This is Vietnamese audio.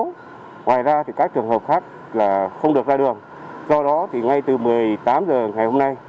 ngoài ra các trường hợp khác không được ra đường do đó ngay từ một mươi tám h ngày hôm nay